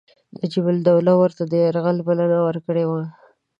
نجیب الدوله ورته د یرغل بلنه ورکړې وه.